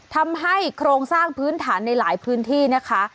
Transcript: ทำให้โครงสร้างพื้นฐานในหลายพื้นที่นะคะ